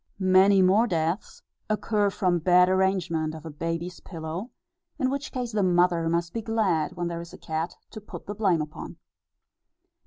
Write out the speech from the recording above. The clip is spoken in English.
Many more deaths occur from bad arrangement of a baby's pillow, in which case the mother must be glad when there is a cat to put the blame upon.